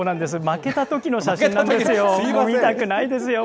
負けたときの写真なんですよ。